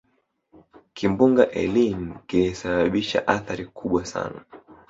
kimbunga eline kilisababisha athari kubwa sana